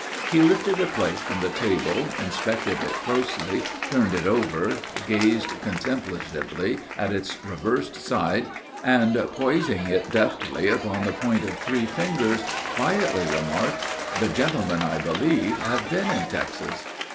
He lifted a plate from the table, inspected it closely, turned it over, gazed contemplatively at its reversed side, and, poising it deftly upon the point of three fingers, quietly remarked: "The gentlemen, I judge, have been in Texas?"